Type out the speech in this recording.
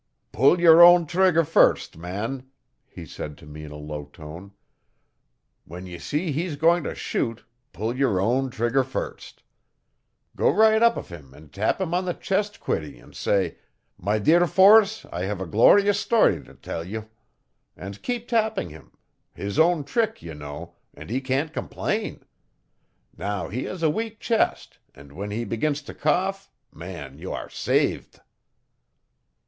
'Pull your own trigger first, man,' he said to me in a low tone. 'When ye see he's going to shoot, pull your own trigger first. Go right up to him and tap him on the chest quiddy and say, "My dear Force, I have a glawrious stawry to tell you," and keep tapping him his own trick, you know, and he can't complain. Now he has a weak chest, and when he begins to cough man, you are saved.